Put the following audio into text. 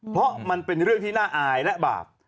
เพราะมันเป็นเรื่องที่น่าอายและบาป